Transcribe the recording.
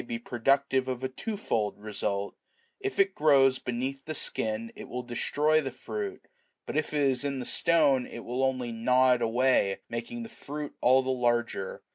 523 productive of a twofold result : if it grows beneath the skin, it will destroy the fruit, but if it is in the stone, it will only gnaw it away, making the fruit all the larger.